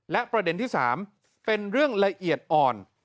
และประเด็นที่๓เป็นเรื่องละเอียดอ่อน